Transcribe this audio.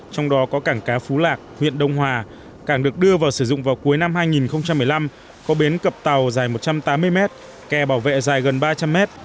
trong đó có cảng cá phú lạc huyện đông hòa cảng được đưa vào sử dụng vào cuối năm hai nghìn một mươi năm có bến cập tàu dài một trăm tám mươi mét kè bảo vệ dài gần ba trăm linh mét